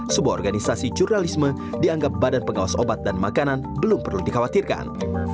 sebuah organisasi jurnalisme dianggap badan pengawas obat dan makanan belum perlu dikhawatirkan